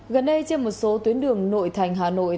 gần đây trên một số tuyến đường nội thành hà nội